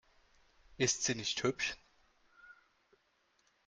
Ist sie nicht hübsch?